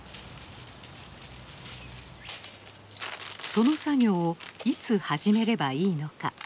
その作業をいつ始めればいいのか。